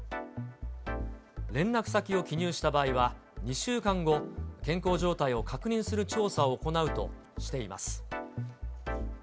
連絡先を記入した場合は２週間後、健康状態を確認する調査を行うとしています。